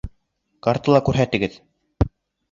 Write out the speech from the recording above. Картала күрһәтегеҙ